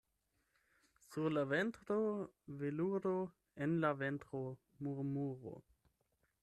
Sur la ventro veluro, en la ventro murmuro.